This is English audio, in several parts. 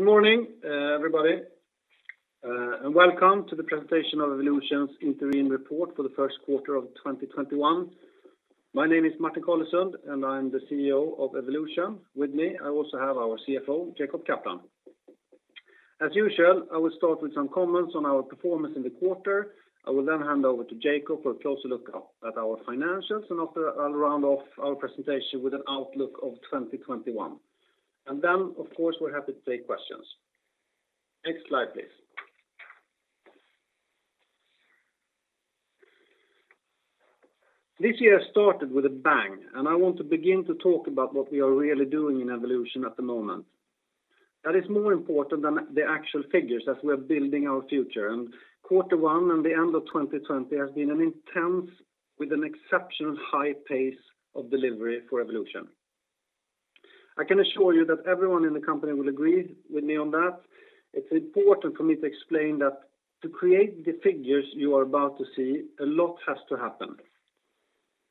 Good morning, everybody. Welcome to the presentation of Evolution's interim report for the first quarter of 2021. My name is Martin Carlesund, and I'm the CEO of Evolution. With me, I also have our CFO, Jacob Kaplan. As usual, I will start with some comments on our performance in the quarter. I will then hand over to Jacob for a closer look at our financials, and after I'll round off our presentation with an outlook of 2021. Of course, we're happy to take questions. Next slide, please. This year started with a bang, and I want to begin to talk about what we are really doing in Evolution at the moment. That is more important than the actual figures as we're building our future, and quarter one and the end of 2020 has been intense with an exceptional high pace of delivery for Evolution. I can assure you that everyone in the company will agree with me on that. It's important for me to explain that to create the figures you are about to see, a lot has to happen.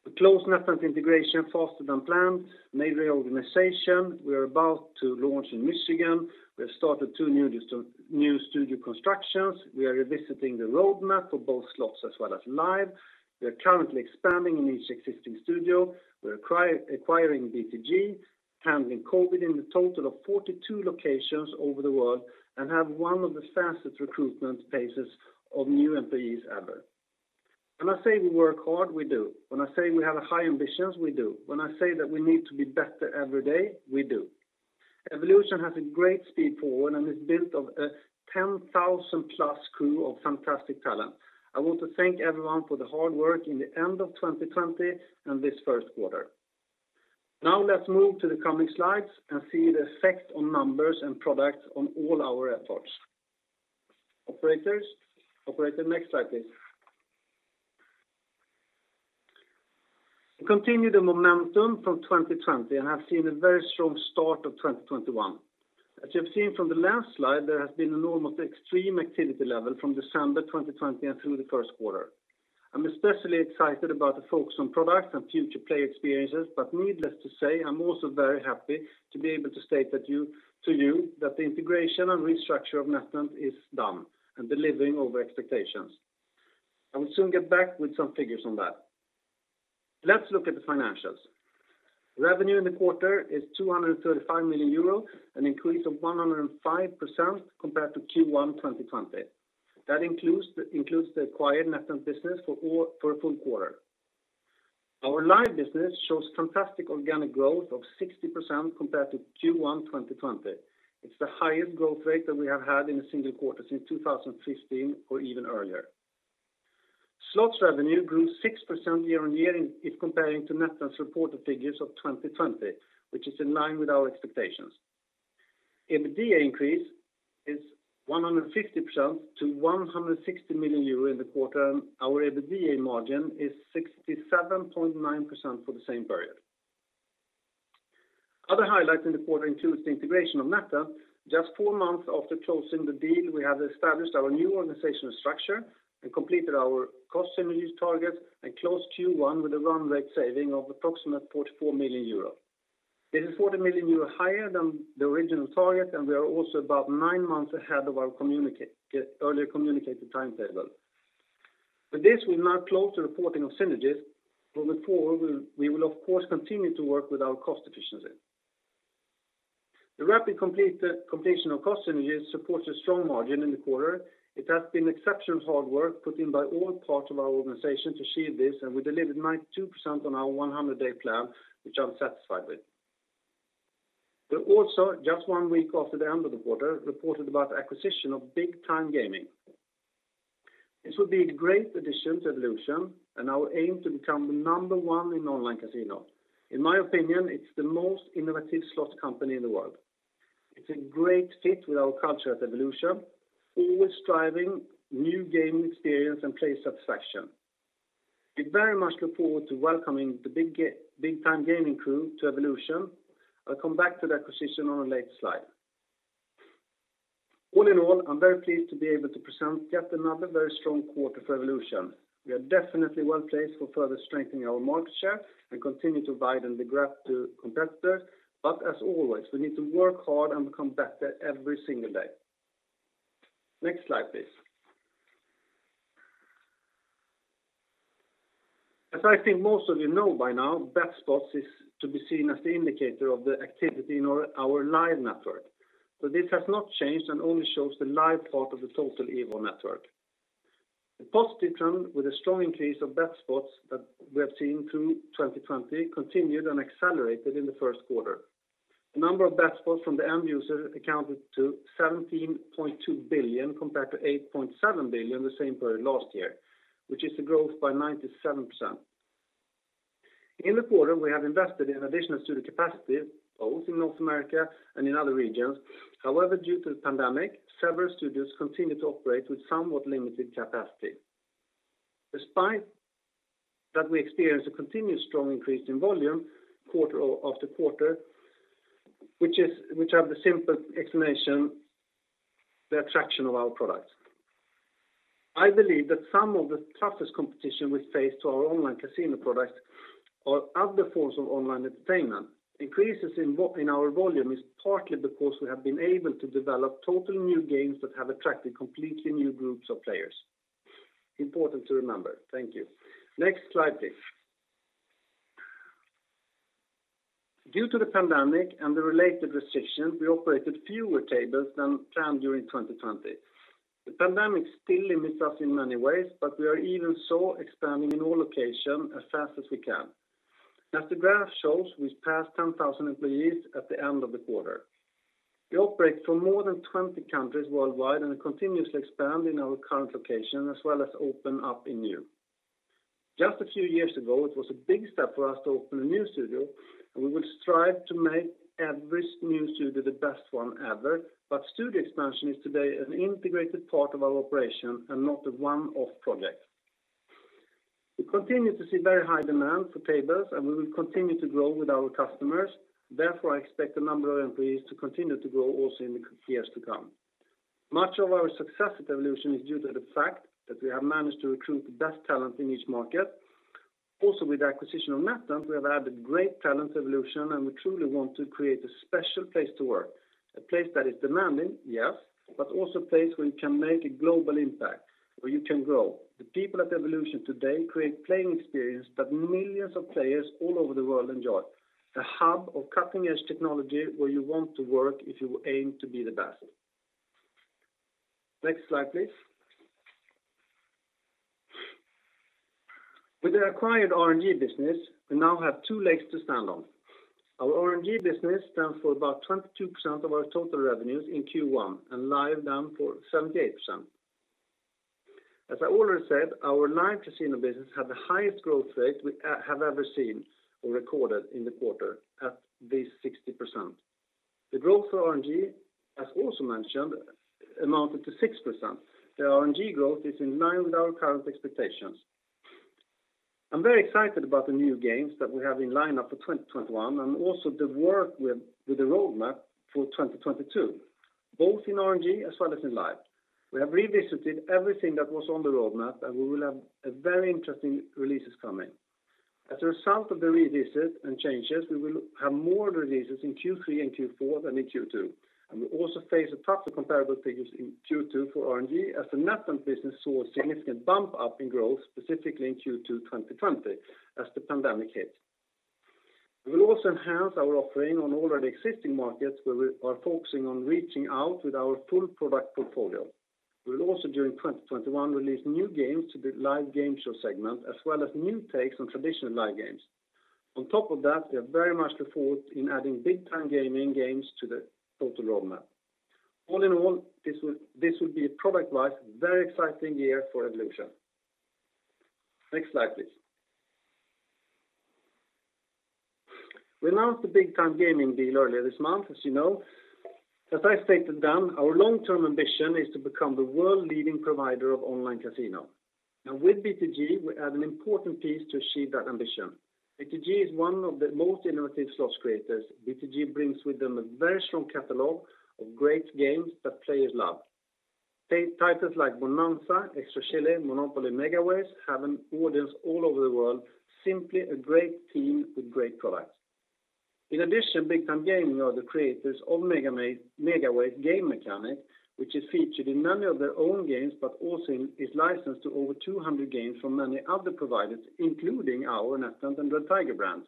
We closed NetEnt integration faster than planned, made reorganization, we're about to launch in Michigan, we have started two new studio constructions, we are revisiting the roadmap for both slots as well as live. We are currently expanding in each existing studio. We're acquiring BTG, handling COVID in a total of 42 locations over the world, and have one of the fastest recruitment paces of new employees ever. When I say we work hard, we do. When I say we have high ambitions, we do. When I say that we need to be better every day, we do. Evolution has a great speed forward and is built of a 10,000-plus crew of fantastic talent. I want to thank everyone for the hard work in the end of 2020 and this first quarter. Let's move to the coming slides and see the effect on numbers and products on all our efforts. Operator, next slide please. We continue the momentum from 2020 and have seen a very strong start of 2021. As you have seen from the last slide, there has been an almost extreme activity level from December 2020 and through the first quarter. I'm especially excited about the focus on products and future player experiences, but needless to say, I'm also very happy to be able to state to you that the integration and restructure of NetEnt is done and delivering over expectations. I will soon get back with some figures on that. Let's look at the financials. Revenue in the quarter is 235 million euros, an increase of 105% compared to Q1 2020. That includes the acquired NetEnt business for a full quarter. Our live business shows fantastic organic growth of 60% compared to Q1 2020. It's the highest growth rate that we have had in a single quarter since 2015 or even earlier. Slots revenue grew 6% year-on-year if comparing to NetEnt's reported figures of 2020, which is in line with our expectations. EBITDA increase is 150% to 160 million euro in the quarter, and our EBITDA margin is 67.9% for the same period. Other highlights in the quarter includes the integration of NetEnt. Just four months after closing the deal, we have established our new organizational structure and completed our cost synergies targets and closed Q1 with a run rate saving of approximate 44 million euros. It is 40 million euros higher than the original target, and we are also about nine months ahead of our earlier communicated timetable. With this, we now close the reporting of synergies. Moving forward, we will of course continue to work with our cost efficiency. The rapid completion of cost synergies supports a strong margin in the quarter. It has been exceptional hard work put in by all parts of our organization to achieve this, and we delivered 92% on our 100-day plan, which I'm satisfied with. We also, just one week after the end of the quarter, reported about acquisition of Big Time Gaming. This will be a great addition to Evolution and our aim to become the number one in online casino. In my opinion, it's the most innovative slot company in the world. It's a great fit with our culture at Evolution, always striving new gaming experience and player satisfaction. We very much look forward to welcoming the Big Time Gaming crew to Evolution. I'll come back to the acquisition on a later slide. All in all, I'm very pleased to be able to present yet another very strong quarter for Evolution. We are definitely well-placed for further strengthening our market share and continue to widen the gap to competitors. As always, we need to work hard and become better every single day. Next slide, please. As I think most of you know by now, bet spots is to be seen as the indicator of the activity in our live network. This has not changed and only shows the live part of the total Evo network. The positive trend with a strong increase of bet spots that we have seen through 2020 continued and accelerated in the first quarter. The number of bet spots from the end user accounted to 17.2 billion compared to 8.7 billion the same period last year, which is a growth by 97%. In the quarter, we have invested in additional studio capacity both in North America and in other regions. Due to the pandemic, several studios continue to operate with somewhat limited capacity. Despite that we experienced a continuous strong increase in volume quarter after quarter, which have the simple explanation, the attraction of our products. I believe that some of the toughest competition we face to our online casino products are other forms of online entertainment. Increases in our volume is partly because we have been able to develop totally new games that have attracted completely new groups of players. Important to remember. Thank you. Next slide, please. Due to the pandemic and the related restrictions, we operated fewer tables than planned during 2020. The pandemic still limits us in many ways, but we are even so expanding in all locations as fast as we can. As the graph shows, we passed 10,000 employees at the end of the quarter. We operate from more than 20 countries worldwide and are continuously expanding our current location as well as open up in new. Just a few years ago, it was a big step for us to open a new studio, and we will strive to make every new studio the best one ever. Studio expansion is today an integrated part of our operation and not a one-off project. We continue to see very high demand for tables, and we will continue to grow with our customers. Therefore, I expect the number of employees to continue to grow also in the years to come. Much of our success at Evolution is due to the fact that we have managed to recruit the best talent in each market. Also with the acquisition of NetEnt, we have added great talent to Evolution, and we truly want to create a special place to work. A place that is demanding, yes, but also a place where you can make a global impact, where you can grow. The people at Evolution today create playing experience that millions of players all over the world enjoy. A hub of cutting-edge technology where you want to work if you aim to be the best. Next slide, please. With the acquired RNG business, we now have two legs to stand on. Our RNG business stands for about 22% of our total revenues in Q1 and Live down for 78%. As I already said, our live casino business had the highest growth rate we have ever seen or recorded in the quarter at this 60%. The growth for RNG, as also mentioned, amounted to 6%. The RNG growth is in line with our current expectations. I'm very excited about the new games that we have in line up for 2021 and also the work with the roadmap for 2022, both in RNG as well as in Live. We have revisited everything that was on the roadmap, and we will have very interesting releases coming. As a result of the revisits and changes, we will have more releases in Q3 and Q4 than in Q2. We also face the tougher comparable figures in Q2 for RNG as the NetEnt business saw a significant bump up in growth, specifically in Q2 2020 as the pandemic hit. We will also enhance our offering on already existing markets where we are focusing on reaching out with our full product portfolio. We will also, during 2021, release new games to the Live game show segment, as well as new takes on traditional Live games. On top of that, we are very much devoted in adding Big Time Gaming games to the total roadmap. All in all, this will be product-wise, a very exciting year for Evolution. Next slide, please. We announced the Big Time Gaming deal earlier this month, as you know. As I stated then, our long-term ambition is to become the world leading provider of online casino. Now with BTG, we add an important piece to achieve that ambition. BTG is one of the most innovative slots creators. BTG brings with them a very strong catalog of great games that players love. Take titles like Bonanza, Extra Chilli, Monopoly Megaways have an audience all over the world, simply a great team with great products. In addition, Big Time Gaming are the creators of Megaways game mechanic, which is featured in many of their own games, but also is licensed to over 200 games from many other providers, including our NetEnt and Red Tiger brands.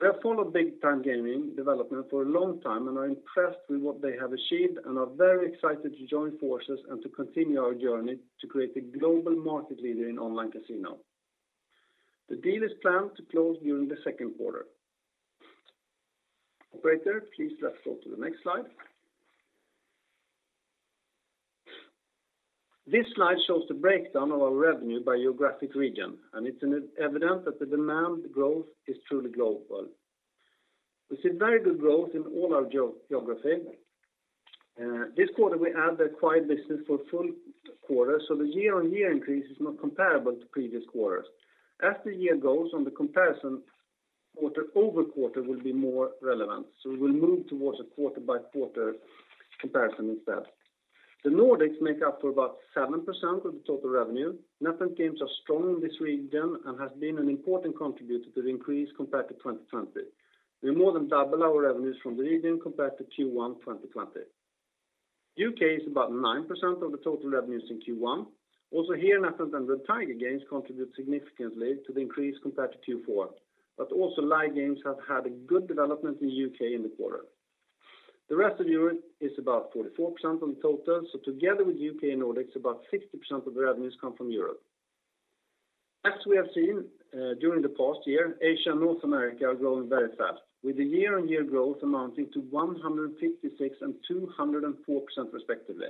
We have followed Big Time Gaming development for a long time and are impressed with what they have achieved and are very excited to join forces and to continue our journey to create a global market leader in online casino. The deal is planned to close during the second quarter. Operator, please let's go to the next slide. This slide shows the breakdown of our revenue by geographic region, and it's evident that the demand growth is truly global. We see very good growth in all our geography. This quarter, we add the acquired business for a full quarter, so the year-on-year increase is not comparable to previous quarters. As the year goes on, the comparison quarter-over-quarter will be more relevant, so we will move towards a quarter-by-quarter comparison instead. The Nordics make up for about 7% of the total revenue. NetEnt Games are strong in this region and has been an important contributor to the increase compared to 2020. We more than double our revenues from the region compared to Q1 2020. U.K. is about 9% of the total revenues in Q1. Also here, NetEnt and Red Tiger Games contribute significantly to the increase compared to Q4. Also Live Games have had a good development in the U.K. in the quarter. The rest of Europe is about 44% on the total, so together with U.K. and Nordics, about 60% of the revenues come from Europe. As we have seen during the past year, Asia and North America are growing very fast, with the year-on-year growth amounting to 156% and 204% respectively.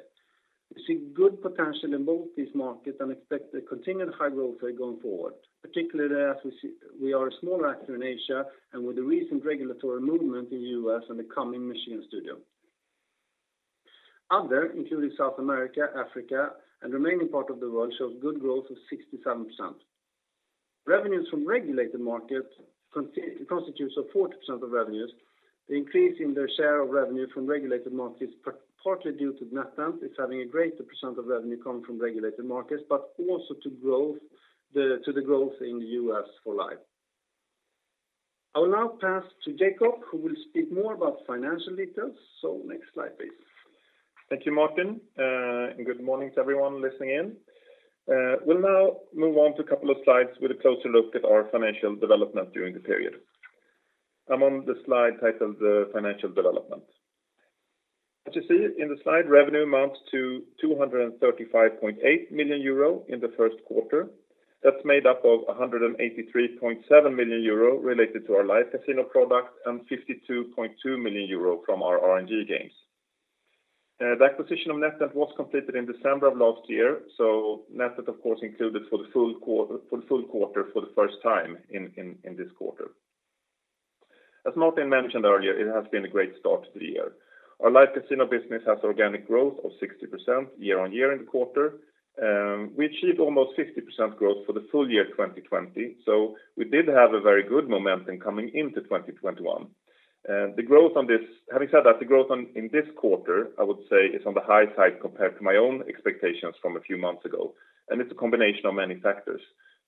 We see good potential in both these markets and expect a continued high growth rate going forward, particularly as we are a smaller actor in Asia and with the recent regulatory movement in U.S. and the coming machine studio. Other, including South America, Africa, and remaining part of the world shows good growth of 67%. Revenues from regulated markets constitutes of 40% of revenues. The increase in their share of revenue from regulated markets, partly due to NetEnt, is having a greater % of revenue coming from regulated markets, but also to the growth in the U.S. for Live. I will now pass to Jacob, who will speak more about financial details. Next slide, please. Thank you, Martin. Good morning to everyone listening in. We'll now move on to a couple of slides with a closer look at our financial development during the period. I'm on the slide titled Financial Development. As you see in the slide, revenue amounts to €235.8 million in the first quarter. That's made up of €183.7 million related to our Live Casino product, and €52.2 million from our RNG games. The acquisition of NetEnt was completed in December of last year. NetEnt, of course, included for the full quarter for the first time in this quarter. As Martin mentioned earlier, it has been a great start to the year. Our Live Casino business has organic growth of 60% year-on-year in the quarter. We achieved almost 50% growth for the full year 2020. We did have a very good momentum coming into 2021. Having said that, the growth in this quarter, I would say, is on the high side compared to my own expectations from a few months ago. It's a combination of many factors.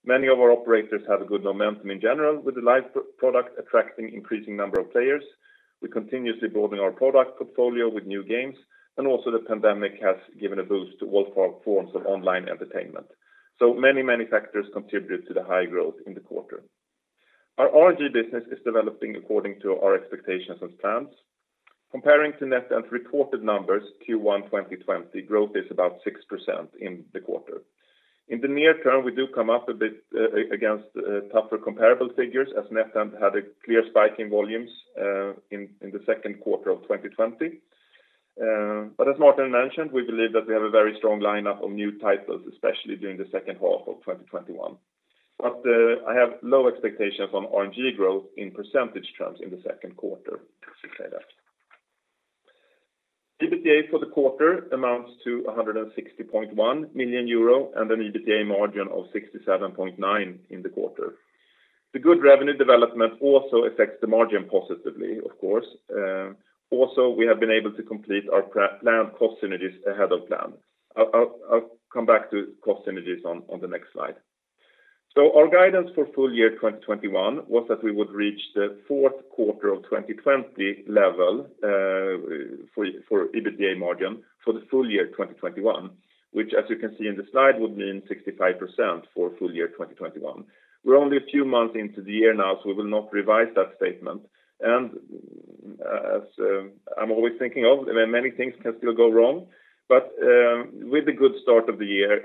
Many of our operators have a good momentum in general with the Live product attracting increasing number of players. We're continuously broadening our product portfolio with new games. Also, the pandemic has given a boost to all forms of online entertainment. Many factors contribute to the high growth in the quarter. Our RNG business is developing according to our expectations and plans. Comparing to NetEnt's reported numbers Q1 2020, growth is about 6% in the quarter. In the near term, we do come up a bit against tougher comparable figures as NetEnt had a clear spike in volumes in the second quarter of 2020. As Martin mentioned, we believe that we have a very strong lineup of new titles, especially during the second half of 2021. I have low expectations on RNG growth in % terms in the second quarter, let's just say that. EBITDA for the quarter amounts to 160.1 million euro and an EBITDA margin of 67.9% in the quarter. The good revenue development also affects the margin positively, of course. We have been able to complete our planned cost synergies ahead of plan. I'll come back to cost synergies on the next slide. Our guidance for full year 2021 was that we would reach the fourth quarter of 2020 level for EBITDA margin for the full year 2021, which as you can see in the slide, would mean 65% for full year 2021. We're only a few months into the year now, we will not revise that statement. As I'm always thinking of, many things can still go wrong. With the good start of the year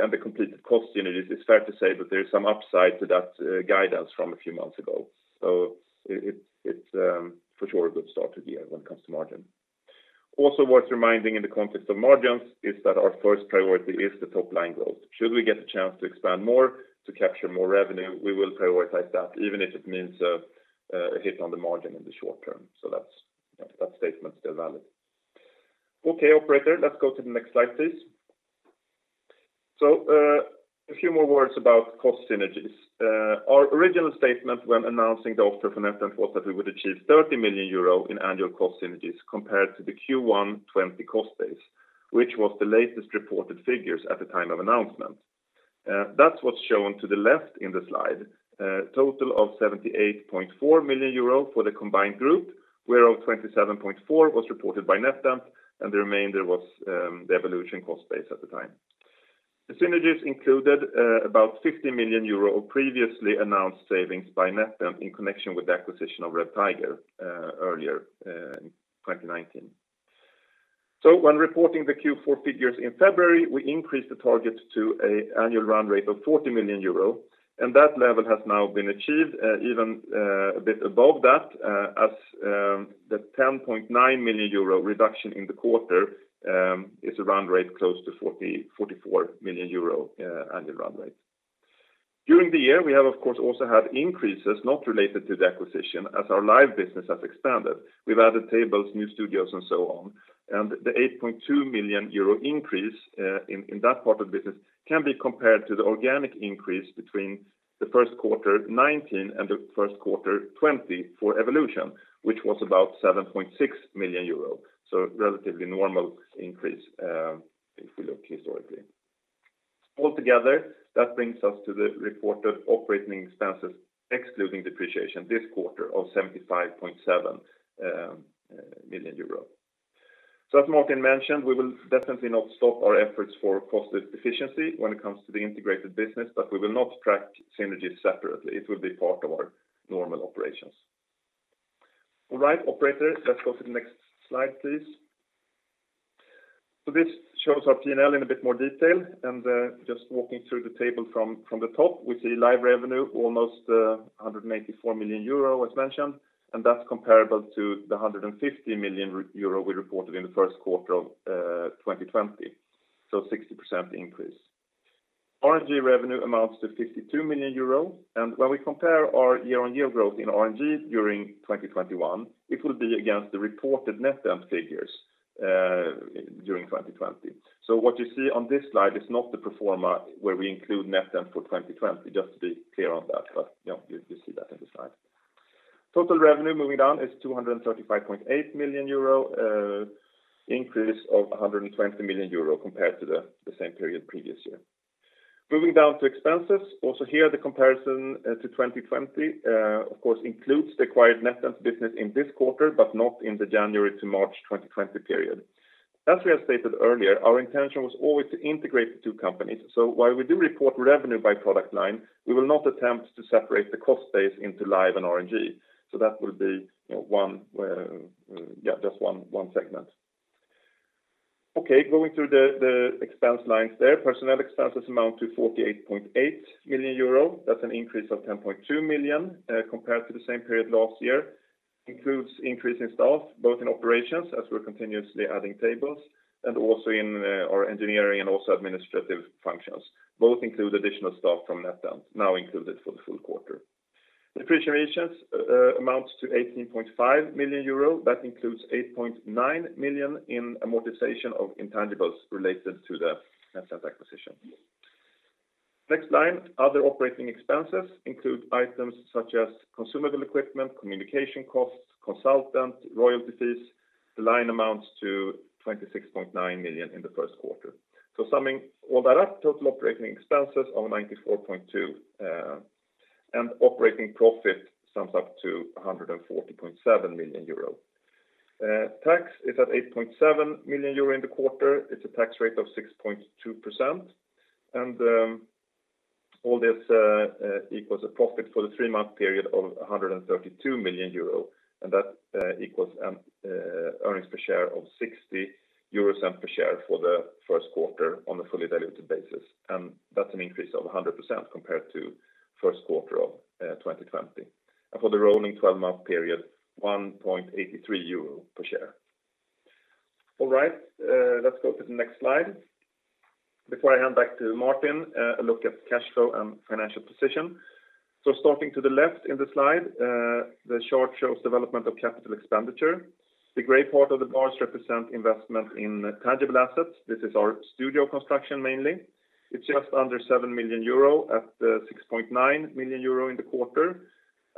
and the completed cost synergies, it's fair to say that there is some upside to that guidance from a few months ago. It's for sure a good start to the year when it comes to margin. Also, what's reminding in the context of margins is that our first priority is the top-line growth. Should we get a chance to expand more, to capture more revenue, we will prioritize that, even if it means a hit on the margin in the short term. That statement is still valid. Okay, operator, let's go to the next slide, please. A few more words about cost synergies. Our original statement when announcing the offer for NetEnt was that we would achieve 30 million euro in annual cost synergies compared to the Q1 2020 cost base, which was the latest reported figures at the time of announcement. That's what's shown to the left in the slide. Total of 78.4 million euro for the combined group, whereof 27.4 million was reported by NetEnt, and the remainder was the Evolution cost base at the time. The synergies included about 50 million euro of previously announced savings by NetEnt in connection with the acquisition of Red Tiger earlier in 2019. When reporting the Q4 figures in February, we increased the target to an annual run rate of 40 million euro, and that level has now been achieved, even a bit above that, as the 10.9 million euro reduction in the quarter is a run rate close to 44 million euro annual run rate. During the year, we have, of course, also had increases not related to the acquisition as our Live business has expanded. We've added tables, new studios, and so on. The EUR 8.2 million increase in that part of the business can be compared to the organic increase between the first quarter 2019 and the first quarter 2020 for Evolution, which was about 7.6 million euros. Relatively normal increase if we look historically. Altogether, that brings us to the reported operating expenses, excluding depreciation this quarter, of 75.7 million euros. As Martin mentioned, we will definitely not stop our efforts for cost efficiency when it comes to the integrated business. We will not track synergies separately. It will be part of our normal operations. All right, operator, let's go to the next slide, please. This shows our P&L in a bit more detail. Just walking through the table from the top, we see Live revenue almost 184 million euro as mentioned, that's comparable to the 150 million euro we reported in the first quarter of 2020. 60% increase. RNG revenue amounts to 52 million euros. When we compare our year-on-year growth in RNG during 2021, it will be against the reported NetEnt figures during 2020. What you see on this slide is not the pro forma where we include NetEnt for 2020, just to be clear on that. You see that in the slide. Total revenue, moving down, is 235.8 million euro, increase of 120 million euro compared to the same period previous year. Moving down to expenses, also here the comparison to 2020, of course includes the acquired NetEnt business in this quarter, but not in the January to March 2020 period. As we have stated earlier, our intention was always to integrate the two companies. While we do report revenue by product line, we will not attempt to separate the cost base into Live and RNG. That will be just one segment. Okay, going through the expense lines there. Personnel expenses amount to 48.8 million euro. That's an increase of 10.2 million compared to the same period last year. Includes increase in staff, both in operations as we're continuously adding tables, and also in our engineering and also administrative functions. Both include additional staff from NetEnt, now included for the full quarter. Depreciation amounts to EUR 18.5 million. That includes EUR 8.9 million in amortization of intangibles related to the NetEnt acquisition. Next line, other operating expenses include items such as consumable equipment, communication costs, consultant, royalty fees. The line amounts to 26.9 million in the first quarter. Summing all that up, total operating expenses of 94.2 and operating profit sums up to 140.7 million euro. Tax is at 8.7 million euro in the quarter. It's a tax rate of 6.2%. All this equals a profit for the three-month period of 132 million euro, and that equals earnings per share of 0.60 per share for the first quarter on a fully diluted basis. That's an increase of 100% compared to first quarter of 2020. For the rolling 12-month period, 1.83 euro per share. All right, let's go to the next slide. Before I hand back to Martin, a look at cash flow and financial position. Starting to the left in the slide, the chart shows development of capital expenditure. The gray part of the bars represent investment in tangible assets. This is our studio construction mainly. It's just under 7 million euro at 6.9 million euro in the quarter.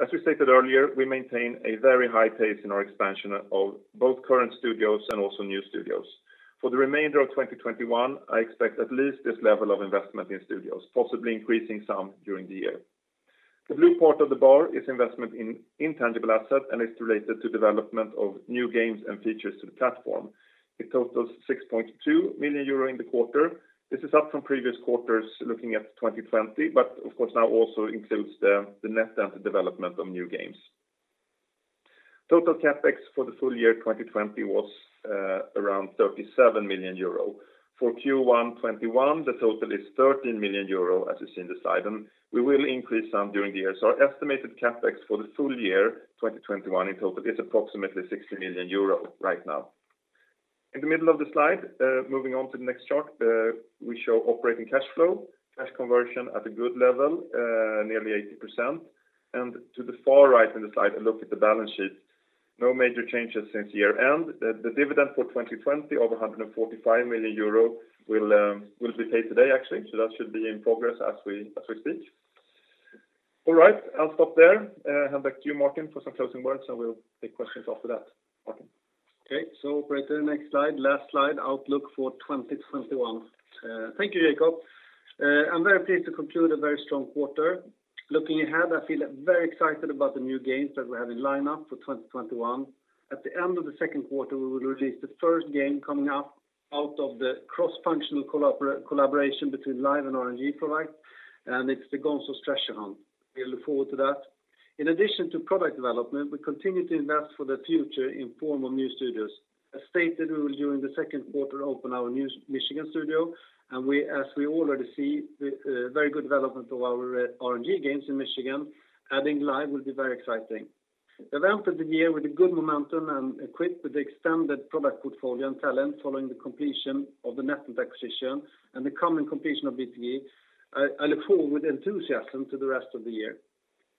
As we stated earlier, we maintain a very high pace in our expansion of both current studios and also new studios. For the remainder of 2021, I expect at least this level of investment in studios, possibly increasing some during the year. The blue part of the bar is investment in intangible asset and it's related to development of new games and features to the platform. It totals 6.2 million euro in the quarter. This is up from previous quarters looking at 2020, but of course now also includes the NetEnt development of new games. Total CapEx for the full year 2020 was around 37 million euro. For Q1 2021, the total is 13 million euro, as you see in the slide. We will increase some during the year. Our estimated CapEx for the full year 2021 in total is approximately 60 million euro right now. In the middle of the slide, moving on to the next chart, we show operating cash flow, cash conversion at a good level, nearly 80%. To the far right in the slide, a look at the balance sheet. No major changes since year-end. The dividend for 2020 of 145 million euro will be paid today, actually, so that should be in progress as we speak. All right, I'll stop there. Hand back to you, Martin, for some closing words, and we'll take questions after that. Martin? Okay, operator, next slide. Last slide, outlook for 2021. Thank you, Jacob. I'm very pleased to conclude a very strong quarter. Looking ahead, I feel very excited about the new games that we have in line-up for 2021. At the end of the second quarter, we will release the first game coming up out of the cross-functional collaboration between Live and RNG product, and it's the Gonzo's Treasure Hunt. We look forward to that. In addition to product development, we continue to invest for the future in form of new studios. As stated, we will during the second quarter open our new Michigan studio, and as we already see, the very good development of our RNG games in Michigan, adding Live will be very exciting. We've entered the year with a good momentum and equipped with the extended product portfolio and talent following the completion of the NetEnt acquisition and the coming completion of BTG. I look forward with enthusiasm to the rest of the year.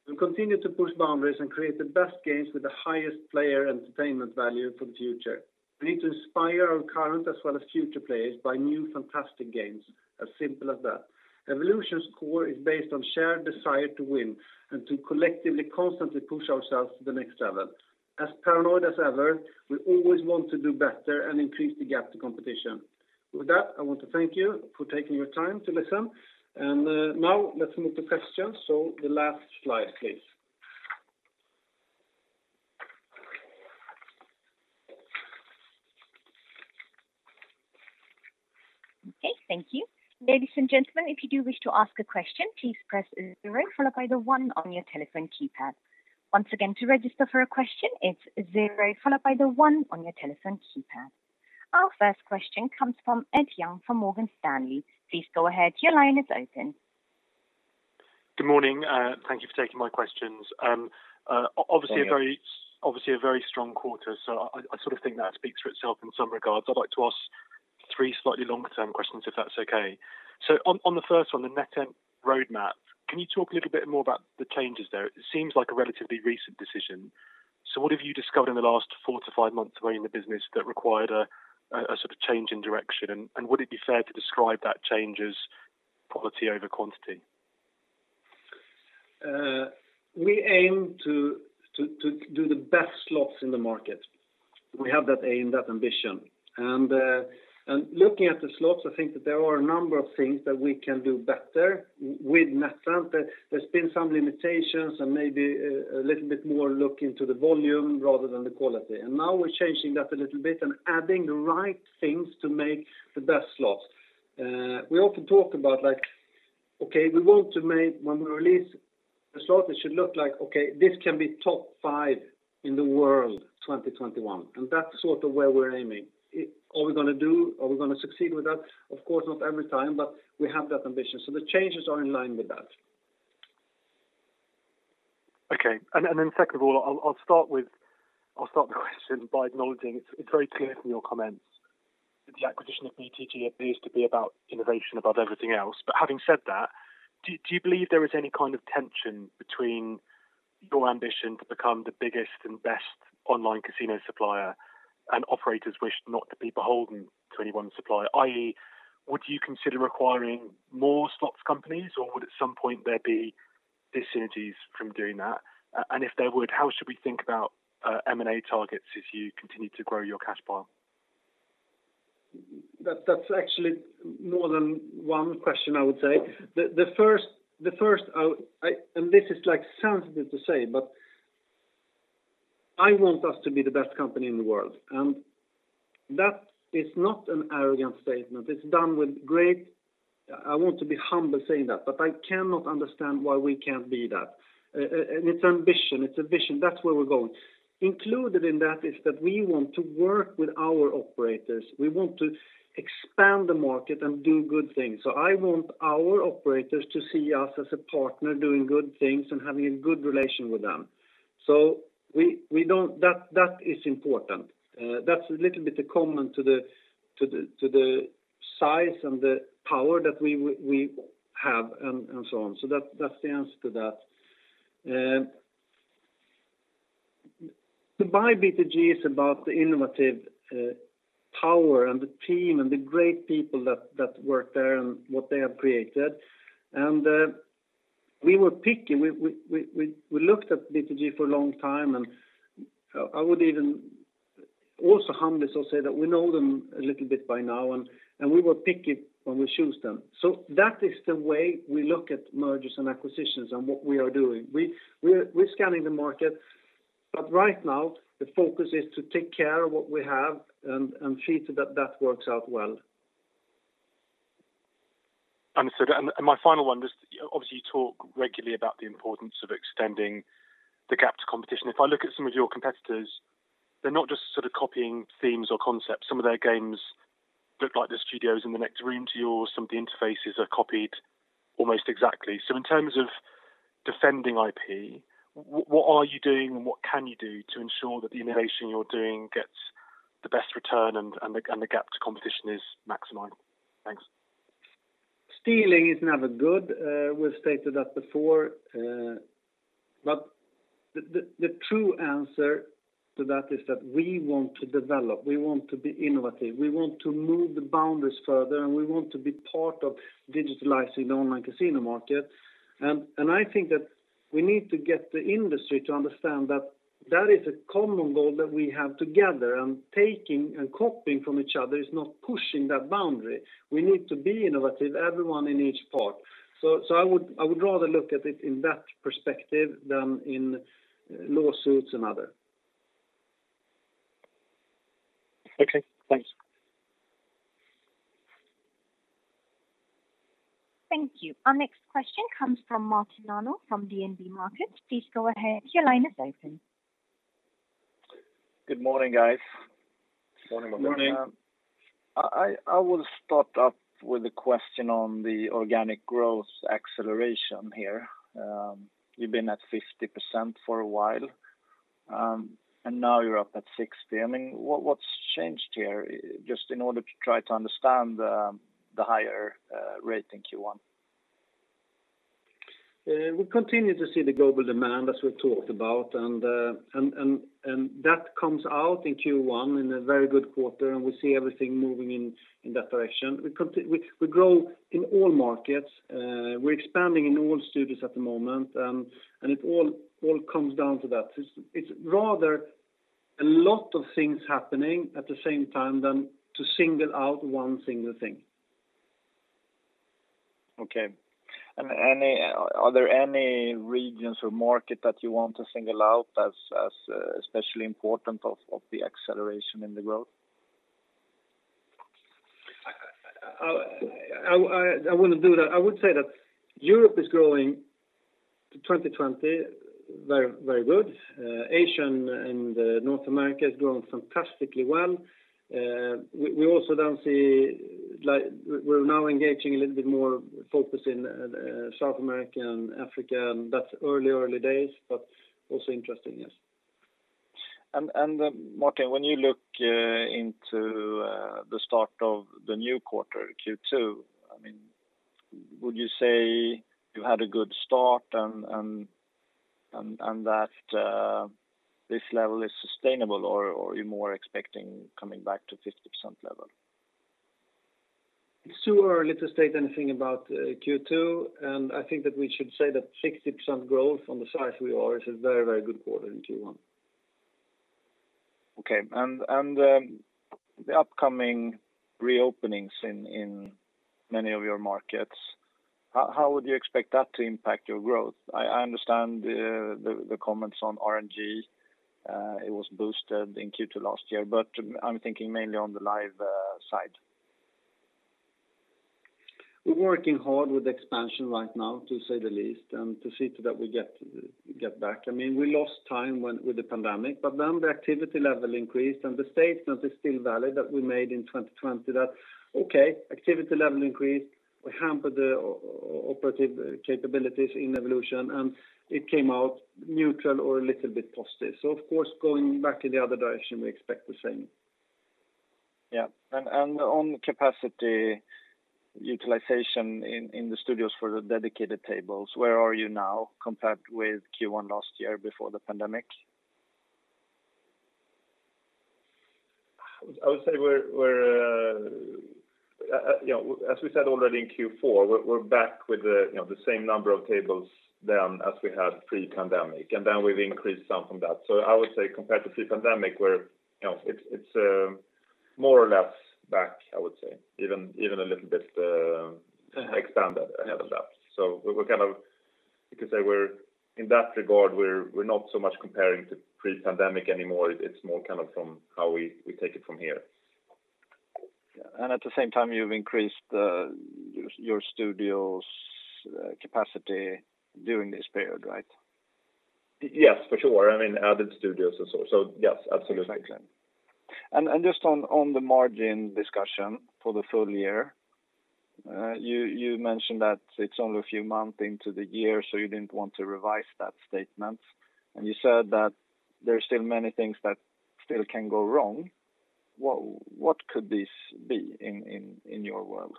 We'll continue to push boundaries and create the best games with the highest player entertainment value for the future. We need to inspire our current as well as future players, by new fantastic games, as simple as that. Evolution's core is based on shared desire to win and to collectively, constantly push ourselves to the next level. As paranoid as ever, we always want to do better and increase the gap to competition. With that, I want to thank you for taking your time to listen, and now let's move to questions. The last slide, please. Okay, thank you. Ladies and gentlemen, if you do wish to ask a question, please press zero followed by the one on your telephone keypad. Once again, to register for a question, it's zero followed by the one on your telephone keypad. Our first question comes from Ed Young from Morgan Stanley. Please go ahead, your line is open. Good morning. Thank you for taking my questions. Morning. Obviously a very strong quarter. I sort of think that speaks for itself in some regards. I'd like to ask three slightly longer-term questions, if that's okay. On the first one, the NetEnt roadmap, can you talk a little bit more about the changes there? It seems like a relatively recent decision. What have you discovered in the last four to five months within the business that required a change in direction, and would it be fair to describe that change as quality over quantity? We aim to do the best slots in the market. We have that aim, that ambition. Looking at the slots, I think that there are a number of things that we can do better with NetEnt. There's been some limitations and maybe a little bit more look into the volume rather than the quality. Now we're changing that a little bit and adding the right things to make the best slots. We often talk about like, okay, we want to make, when we release a slot, it should look like, okay, this can be top five in the world 2021. That's sort of where we're aiming. Are we going to succeed with that? Of course, not every time, but we have that ambition. The changes are in line with that. Okay. Second of all, I'll start the question by acknowledging it's very clear from your comments that the acquisition of BTG appears to be about innovation above everything else. Having said that, do you believe there is any kind of tension between your ambition to become the biggest and best online casino supplier and operators wish not to be beholden to any one supplier, i.e., would you consider acquiring more slots companies or would at some point there be dis-synergies from doing that? If there would, how should we think about M&A targets as you continue to grow your cash pile? That's actually more than one question, I would say. The first, and this is sensitive to say, but I want us to be the best company in the world, and that is not an arrogant statement. It's done with great-- I want to be humble saying that, but I cannot understand why we can't be that. It's ambition. It's a vision. That's where we're going. Included in that is that we want to work with our operators. We want to expand the market and do good things. I want our operators to see us as a partner doing good things and having a good relation with them. That is important. That's a little bit common to the size and the power that we have and so on. That's the answer to that. To buy BTG is about the innovative power and the team and the great people that work there and what they have created. We were picky. We looked at BTG for a long time, and I would even also humbly say that we know them a little bit by now, and we were picky when we choose them. That is the way we look at mergers and acquisitions and what we are doing. We're scanning the market, but right now, the focus is to take care of what we have and see to that that works out well. Understood. My final one, just obviously you talk regularly about the importance of extending the gap to competition. If I look at some of your competitors, they're not just sort of copying themes or concepts. Some of their games look like the studio is in the next room to yours. Some of the interfaces are copied almost exactly. In terms of defending IP, what are you doing and what can you do to ensure that the innovation you're doing gets the best return and the gap to competition is maximized? Thanks. Stealing is never good. We've stated that before. The true answer to that is that we want to develop, we want to be innovative, we want to move the boundaries further, and we want to be part of digitalizing the online casino market. I think that we need to get the industry to understand that that is a common goal that we have together, and taking and copying from each other is not pushing that boundary. We need to be innovative, everyone in each part. I would rather look at it in that perspective than in lawsuits and other. Okay, thanks. Thank you. Our next question comes from Martin Arnell from DNB Markets. Please go ahead. Your line is open. Good morning, guys. Good morning. I will start up with a question on the organic growth acceleration here. You've been at 50% for a while, and now you're up at 60%. What's changed here? Just in order to try to understand the higher rate in Q1. We continue to see the global demand, as we talked about, and that comes out in Q1 in a very good quarter, and we see everything moving in that direction. We grow in all markets. We're expanding in all studios at the moment, and it all comes down to that. It's rather a lot of things happening at the same time than to single out one single thing. Okay. Are there any regions or market that you want to single out as especially important of the acceleration in the growth? I wouldn't do that. I would say that Europe is growing to 2020, very good. Asia and North America is growing fantastically well. We're now engaging a little bit more focus in South America and Africa, that's early days, but also interesting, yes. Martin, when you look into the start of the new quarter, Q2, would you say you had a good start and that this level is sustainable, or are you more expecting coming back to 50% level? It's too early to state anything about Q2. I think that we should say that 60% growth on the size we are is a very good quarter in Q1. Okay. The upcoming reopenings in many of your markets, how would you expect that to impact your growth? I understand the comments on RNG. It was boosted in Q2 last year, but I'm thinking mainly on the live side. We're working hard with expansion right now, to say the least, and to see to that we get back. We lost time with the pandemic, but then the activity level increased and the statement is still valid that we made in 2020 that, okay, activity level increased. We hampered the operative capabilities in Evolution, and it came out neutral or a little bit positive. Of course, going back in the other direction, we expect the same. Yeah. On capacity utilization in the studios for the dedicated tables, where are you now compared with Q1 last year before the pandemic? I would say, as we said already in Q4, we're back with the same number of tables then as we had pre-pandemic, and then we've increased some from that. I would say compared to pre-pandemic, it's more or less back, I would say, even a little bit expanded ahead of that. You could say in that regard, we're not so much comparing to pre-pandemic anymore. It's more from how we take it from here. Yeah. At the same time, you've increased your studios capacity during this period, right? Yes, for sure. Added studios and so on. Yes, absolutely. Exactly. Just on the margin discussion for the full year, you mentioned that it's only a few months into the year, so you didn't want to revise that statement. You said that there are still many things that still can go wrong. What could this be in your world?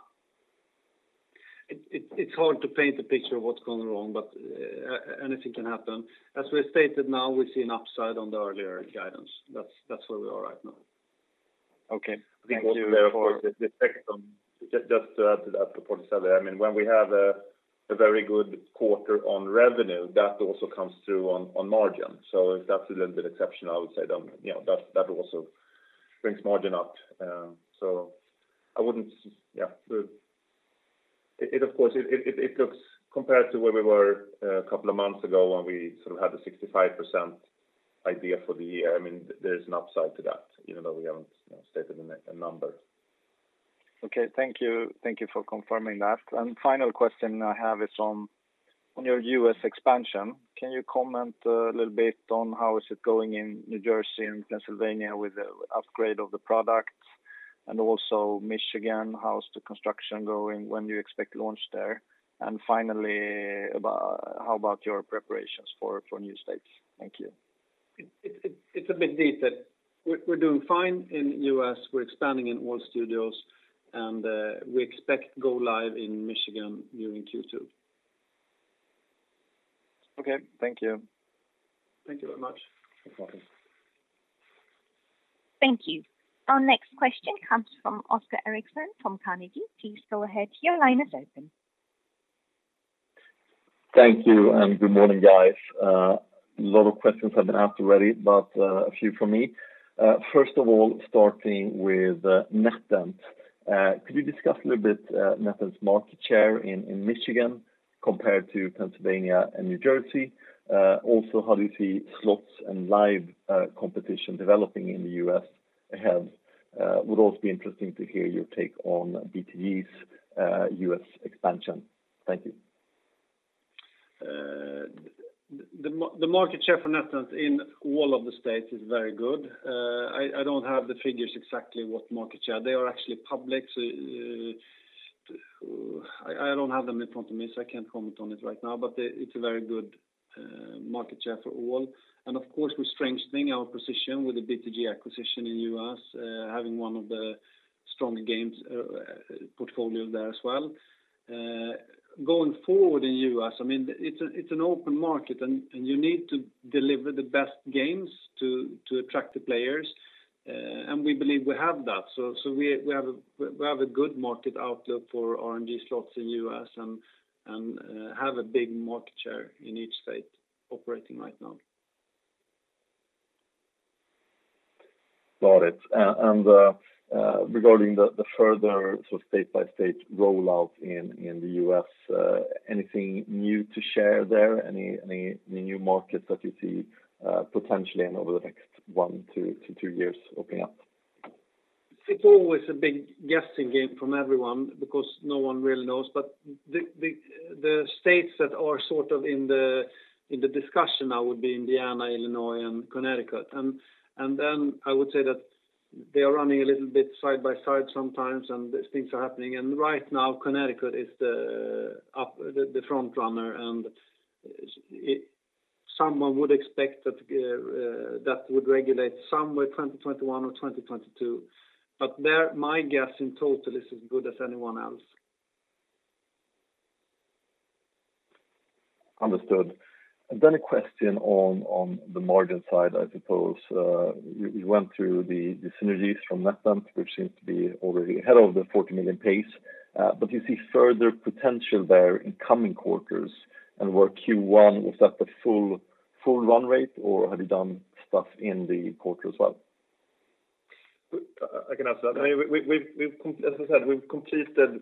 It's hard to paint a picture of what's gone wrong, but anything can happen. As we have stated now, we see an upside on the earlier guidance. That's where we are right now. Okay. Thank you for- Just to add to that, before I say. When we have a very good quarter on revenue, that also comes through on margin. If that's a little bit exceptional, I would say that also brings margin up. Compared to where we were a couple of months ago when we sort of had the 65% idea for the year, there's an upside to that even though we haven't stated a number. Okay. Thank you for confirming that. Final question I have is on your U.S. expansion. Can you comment a little bit on how is it going in New Jersey and Pennsylvania with the upgrade of the product? Also Michigan, how's the construction going? When do you expect to launch there? Finally, how about your preparations for new states? Thank you. It's a bit dated. We're doing fine in U.S. We're expanding in all studios, and we expect to go live in Michigan during Q2. Okay. Thank you. Thank you very much. No problem. Thank you. Our next question comes from Oscar Rönnkvist from Carnegie. Please go ahead, your line is open. Thank you, good morning, guys. A lot of questions have been asked already, but a few from me. First of all, starting with NetEnt. Could you discuss a little bit NetEnt's market share in Michigan compared to Pennsylvania and New Jersey? Also, how do you see slots and live competition developing in the U.S. ahead? Would also be interesting to hear your take on BTG's U.S. expansion. Thank you. The market share for NetEnt in all of the states is very good. I don't have the figures exactly what market share. They are actually public, so I don't have them in front of me, so I can't comment on it right now. It's a very good market share for all. Of course, we're strengthening our position with the BTG acquisition in U.S., having one of the strong games portfolio there as well. Going forward in U.S., it's an open market and you need to deliver the best games to attract the players. We believe we have that. We have a good market outlook for RNG slots in U.S. and have a big market share in each state operating right now. Got it. Regarding the further sort of state-by-state rollout in the U.S., anything new to share there? Any new markets that you see potentially and over the next one to two years opening up? It's always a big guessing game from everyone because no one really knows. The states that are sort of in the discussion now would be Indiana, Illinois, and Connecticut. I would say that they are running a little bit side by side sometimes, and things are happening. Right now Connecticut is the front runner, and someone would expect that that would regulate somewhere 2021 or 2022. There, my guess in total is as good as anyone else. A question on the margin side, I suppose. You went through the synergies from NetEnt, which seems to be already ahead of the 40 million pace. You see further potential there in coming quarters. Q1, was that the full run rate, or have you done stuff in the quarter as well? I can answer that. As I said,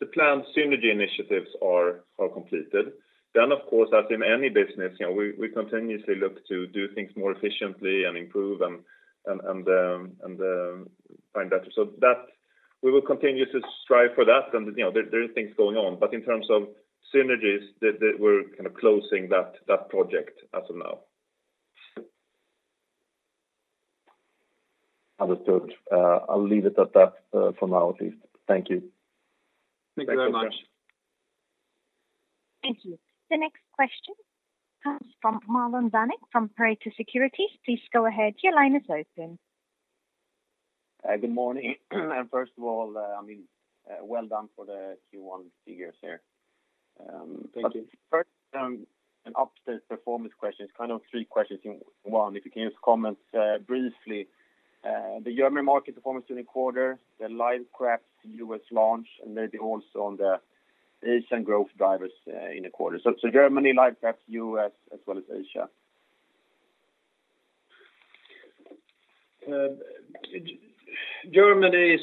the planned synergy initiatives are completed. Of course, as in any business, we continuously look to do things more efficiently and improve and find that. We will continue to strive for that, and there are things going on, but in terms of synergies, we're kind of closing that project as of now. Understood. I'll leave it at that for now at least. Thank you. Thank you very much. Thank you. The next question comes from Marlon Vaneck of Pareto Securities. Please go ahead. Your line is open. Good morning. First of all, well done for the Q1 figures here. Thank you. First, an update performance question. It's kind of three questions in one, if you can just comment briefly. The Germany market performance during the quarter, the Live Craps U.S. launch, and maybe also on the Asian growth drivers in the quarter. Germany, Live Craps U.S., as well as Asia. Germany,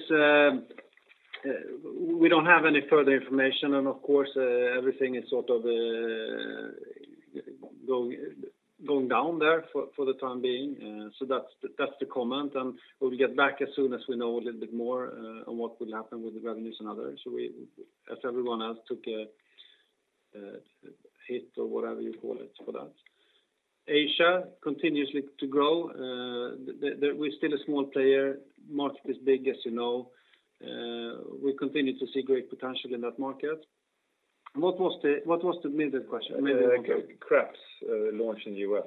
we don't have any further information, and of course everything is sort of going down there for the time being. That's the comment, and we'll get back as soon as we know a little bit more on what will happen with the revenues and others. We, as everyone else, took a hit, or whatever you call it, for that. Asia continues to grow. We're still a small player. Market is big, as you know. We continue to see great potential in that market. What was the middle question? Craps launch in the U.S.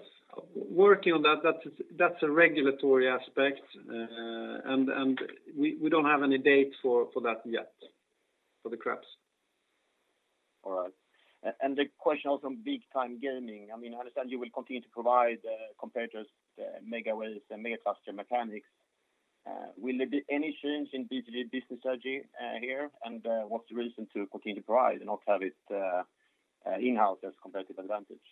Working on that. That's a regulatory aspect, and we don't have any date for that yet, for the Craps. All right. The question also on Big Time Gaming. I understand you will continue to provide competitors Megaways and Megacluster mechanics. Will there be any change in BTG business strategy here? What's the reason to continue to provide and not have it in-house as competitive advantage?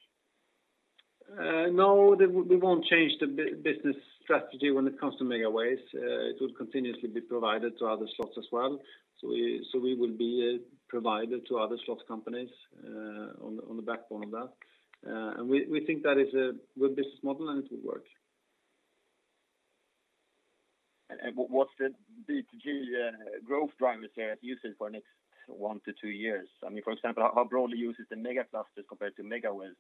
No, we won't change the business strategy when it comes to Megaways. It will continuously be provided to other slots as well. We will be a provider to other slots companies on the backbone of that. We think that is a good business model, and it will work. What's the BTG growth drivers there at usage for next one to two years? For example, how broadly used is the Megaclusters compared to Megaways?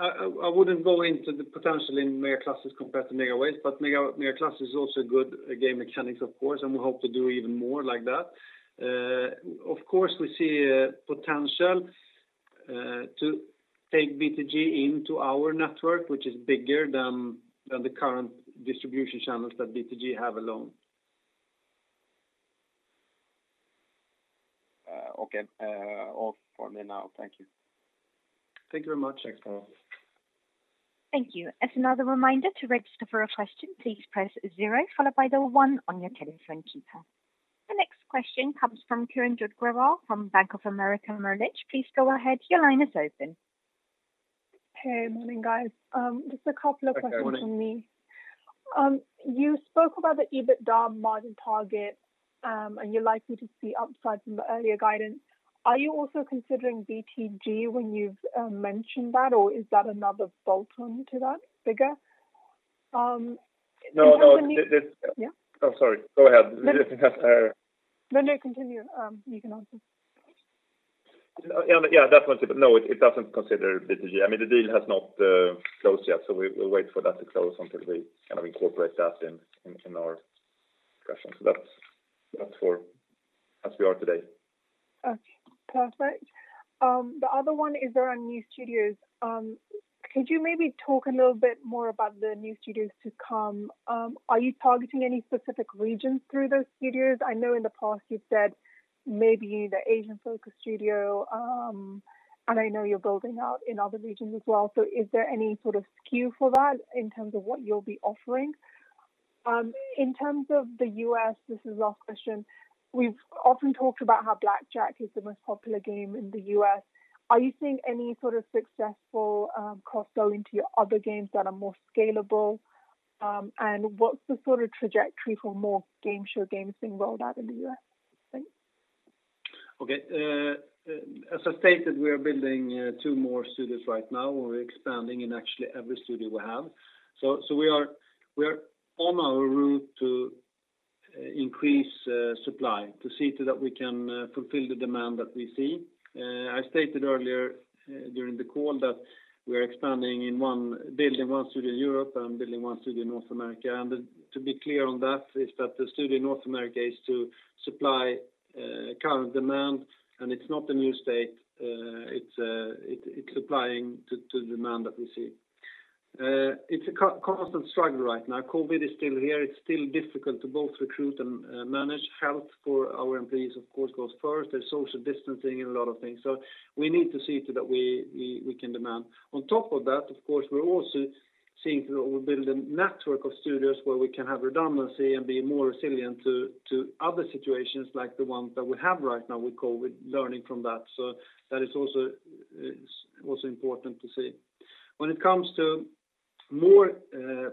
I wouldn't go into the potential in Megaclusters compared to Megaways, but Megaclusters is also good game mechanics of course, and we hope to do even more like that. Of course, we see potential to take BTG into our network, which is bigger than the current distribution channels that BTG have alone. Okay. All for me now. Thank you. Thank you very much. Next call. Thank you. As another reminder, to register for a question, please press zero followed by the one on your telephone keypad. The next question comes from Kiranjot Grewal from Bank of America Merrill Lynch. Please go ahead. Your line is open. Hey, morning, guys. Just a couple of questions from me. Hi, good morning. You spoke about the EBITDA margin target, and you're likely to see upside from the earlier guidance. Are you also considering BTG when you've mentioned that, or is that another bolt-on to that figure? No. Yeah. Oh, sorry. Go ahead. No, continue. You can answer. Yeah, definitely. No, it doesn't consider BTG. The deal has not closed yet, we will wait for that to close until we kind of incorporate that in our discussion. That's where we are today. Perfect. The other one is around new studios. Could you maybe talk a little bit more about the new studios to come? Are you targeting any specific regions through those studios? I know in the past you've said maybe the Asian-focused studio, and I know you're building out in other regions as well. Is there any sort of skew for that in terms of what you'll be offering? In terms of the U.S., this is the last question. We've often talked about how blackjack is the most popular game in the U.S. Are you seeing any sort of successful cross-sell into your other games that are more scalable? What's the sort of trajectory for more game show games being rolled out in the U.S., you think? Okay. As I stated, we are building two more studios right now. We're expanding in actually every studio we have. We are on our route to increase supply to see to that we can fulfill the demand that we see. I stated earlier during the call that we are building one studio in Europe and building one studio in North America. To be clear on that is that the studio in North America is to supply current demand, and it's not a new state. It's supplying to demand that we see. It's a constant struggle right now. COVID is still here. It's still difficult to both recruit and manage health for our employees, of course, goes first. There's social distancing and a lot of things. We need to see to that we can demand. On top of that, of course, we're also seeing we build a network of studios where we can have redundancy and be more resilient to other situations like the one that we have right now with COVID, learning from that. That is also important to see. When it comes to more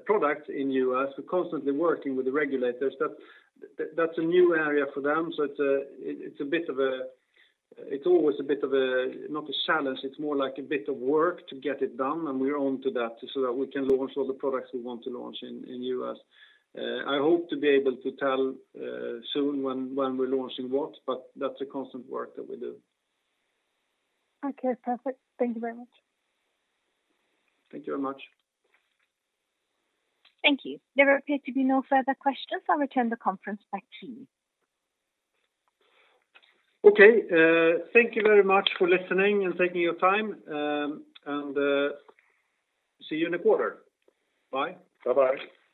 product in U.S., we're constantly working with the regulators. That's a new area for them, so it's always a bit of a, not a challenge, it's more like a bit of work to get it done, and we're on to that so that we can launch all the products we want to launch in U.S. I hope to be able to tell soon when we're launching what, that's a constant work that we do. Okay, perfect. Thank you very much. Thank you very much. Thank you. There appear to be no further questions. I'll return the conference back to you. Okay. Thank you very much for listening and taking your time. See you in a quarter. Bye. Bye-bye.